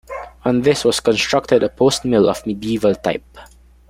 On this was constructed a post-mill of medieval type.